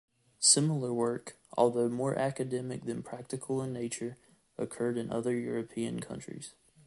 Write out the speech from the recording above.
Similar work, although more academic than practical in nature, occurred in other European countries.